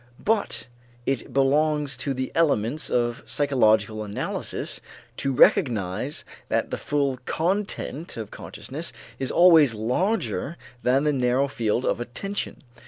But it belongs to the elements of psychological analysis to recognize that the full content of consciousness is always larger than the narrow field of attention.